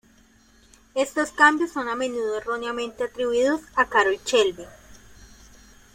Estos cambios son a menudo erróneamente atribuidos a Carroll Shelby.